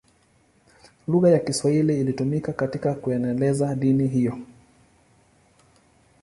Lugha ya Kiswahili ilitumika katika kueneza dini hiyo.